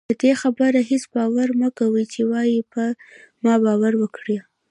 پدې خبره هېڅ باور مکوئ چې وايي په ما باور وکړه